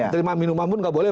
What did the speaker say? terima minuman pun nggak boleh